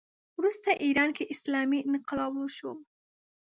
وروسته ایران کې اسلامي انقلاب وشو